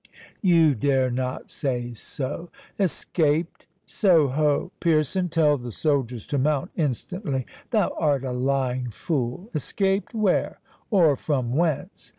"You dare not say so!—Escaped?—So ho! Pearson! tell the soldiers to mount instantly.—Thou art a lying fool!—Escaped?—Where, or from whence?"